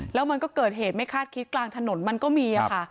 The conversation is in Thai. แล้วมันก็เกิดเหตุไม่คาดคิดกลางถนนมันก็มีค่ะ